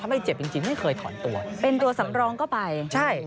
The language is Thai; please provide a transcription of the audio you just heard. ไม่เจ็บจริงจริงไม่เคยถอนตัวเป็นตัวสำรองก็ไปใช่